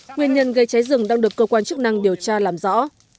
nguyên nhân gây cháy rừng đang được cơ quan chức năng điều tra làm rõ